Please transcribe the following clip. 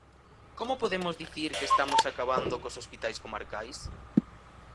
¿Como podemos dicir que estamos acabando cos hospitais comarcais?